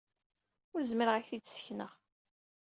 Ur zmireɣ ad ak-t-id-ssekneɣ.